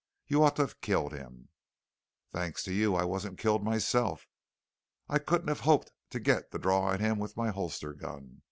"You ought to have killed him." "Thanks to you I wasn't killed myself. I couldn't have hoped to get the draw on him with my holster gun.